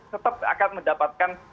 tetap akan mendapatkan